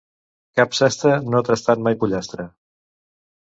Cap sastre no ha tastat mai pollastre.